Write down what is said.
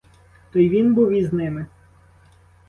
То й він був із ними?